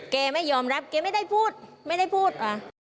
แกไม่ยอมรับแกไม่ได้พูดไม่ได้พูด